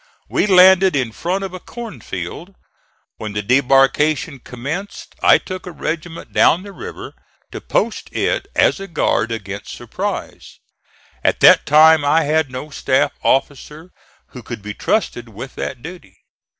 We landed in front of a cornfield. When the debarkation commenced, I took a regiment down the river to post it as a guard against surprise. At that time I had no staff officer who could be trusted with that duty.